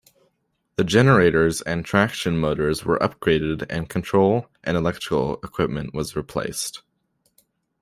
The generators and traction motors were upgraded and control and electrical equipment was replaced.